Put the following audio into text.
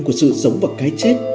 của sự sống và cái chết